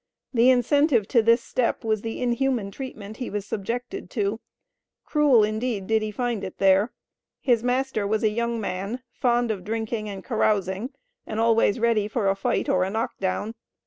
The incentive to this step was the inhuman treatment he was subjected to. Cruel indeed did he find it there. His master was a young man, "fond of drinking and carousing, and always ready for a fight or a knock down."